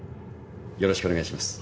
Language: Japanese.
よろしくお願いします。